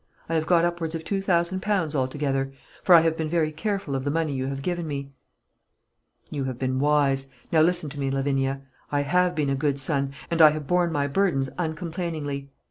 I have got upwards of two thousand pounds altogether; for I have been very careful of the money you have given me." "You have been wise. Now listen to me, Lavinia. I have been a good son, and I have borne my burdens uncomplainingly.